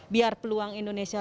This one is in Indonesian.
biar peluang indonesia